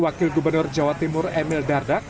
wakil gubernur jawa timur emil dardak